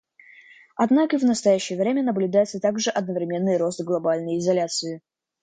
Однако в настоящее время наблюдается также одновременный рост глобальной изоляции.